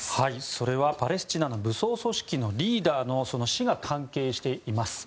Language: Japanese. それはパレスチナの武装組織のリーダーのその死が関係しています。